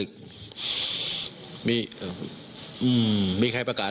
ใครจะประกาศ